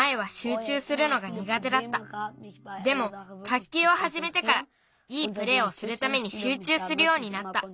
でも卓球をはじめてからいいプレーをするためにしゅうちゅうするようになった。